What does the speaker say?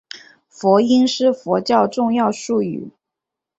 佛音是佛教重要术语。